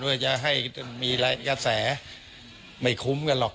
เพื่อจะให้มีกระแสไม่คุ้มกันหรอก